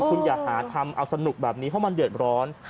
คุณอย่าหาทำเอาสนุกแบบนี้เพราะมันเดือดร้อน